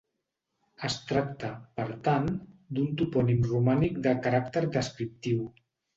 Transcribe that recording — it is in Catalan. Es tracta, per tant, d'un topònim romànic de caràcter descriptiu.